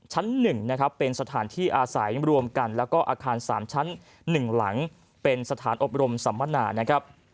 ชั้น๑นะครับเป็นสถานที่อาศัยรวมกันแล้วก็อาคาร๓ชั้น๑หลังเป็นสถานอบรมสัมมนานะครับ